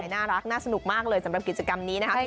น่ารักน่าสนุกมากเลยสำหรับกิจกรรมนี้นะครับ